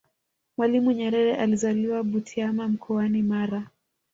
mwalimu nyerere alizaliwa butiama mkonani mara